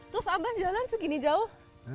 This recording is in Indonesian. terus abah jalan segini jauh